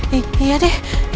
neng iya deh